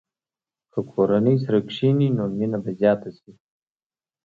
که کورنۍ سره کښېني، نو مینه به زیاته شي.